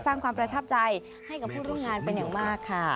สร้างความประทับใจให้กับผู้ร่วมงานเป็นอย่างมากค่ะ